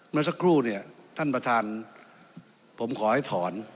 เมื่อสักครู่เนี่ยท่านประธานผมขอให้ถอน